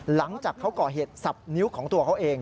หลังจากเขาก่อเหตุสับนิ้วของตัวเขาเอง